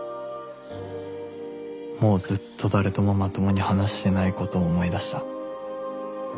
もうずっと誰ともまともに話してない事を思い出した